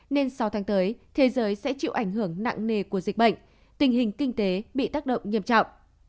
nên sáu tháng tới thế giới sẽ chịu ảnh hưởng nặng nề của dịch bệnh tình hình kinh tế bị tác động nghiêm trọng